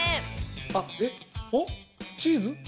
あっえっおっチーズ？